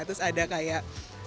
terus ada kayak